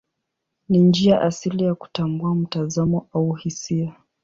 Ni njia asili ya kutambua mtazamo au hisia.